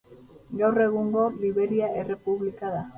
Gaur egungo Liberia errepublika da.